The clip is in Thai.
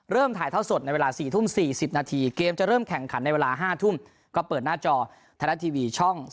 เริ่มถ่ายเท่าสดนัดเวลา๔ทุ่ม๑๐นาที